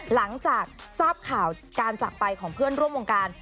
หลังจากทราบข่าวการจากไปของเพื่อนร่วมวงการ